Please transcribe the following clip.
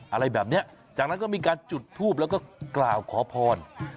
อะไรแบบนี้จากนั้นก็มีการจุดทูบแล้วก็กล่าวขอพร